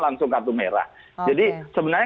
langsung kartu merah jadi sebenarnya